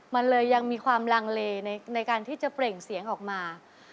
มันเลยยังมีความลังเลในการที่จะเปล่งเสียงออกมา